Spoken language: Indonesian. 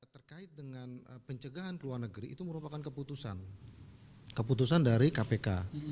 terkait dengan pencegahan ke luar negeri itu merupakan keputusan keputusan dari kpk